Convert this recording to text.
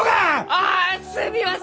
ああすみません！